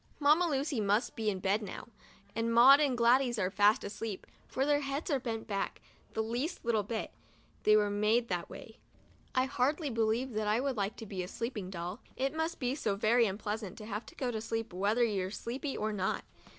Mamma Lucy must be in bed now, and Maud and Gladys are fast asleep, for their heads are bent back the least little bit — they were made that way. I hardly believe that I would like to be a sleeping doll — it must be so very unpleasant to have to go to sleep whether you're sleepy or not.